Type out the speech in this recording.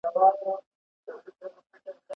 ¬ پر پوست سکه نه وهل کېږي.